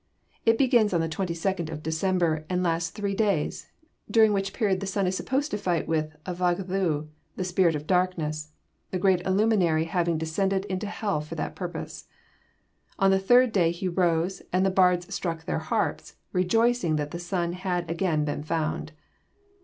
It begins on the 22nd of December, and lasts three days, during which period the sun is supposed to fight with Avagddu, the spirit of darkness, the great luminary having descended into hell for that purpose. On the third day he rose, and the bards struck their harps, rejoicing that the sun had again been found.